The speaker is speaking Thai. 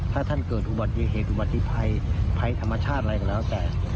ถ้าท่านเกิดอุบัติเหตุอุบัติภัยภัยธรรมชาติอะไรก็แล้วแต่